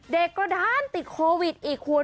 เด็กก็ด้านติดโควิดอีกคุณ